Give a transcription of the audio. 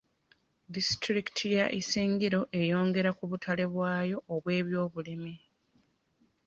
Disitulikiti y'e Isingiro eyongera ku butale bwayo obw'ebyobulimi.